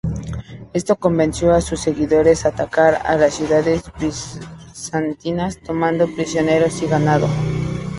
Esto convenció a sus seguidores atacar a las ciudades bizantinas, tomando prisioneros y ganado.